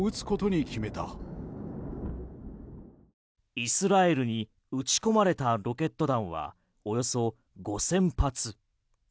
イスラエルに撃ち込まれたロケット弾はおよそ５０００発。